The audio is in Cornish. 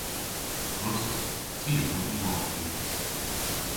Gwrussys. Ty a wrug y wolghi.